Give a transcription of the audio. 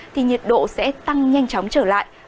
thì nhiệt độ sẽ tăng nhanh chóng trở lại